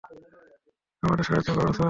আমাদের সাহায্য করুন, স্যার।